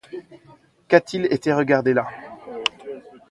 Qu’a-t-il été regarder là?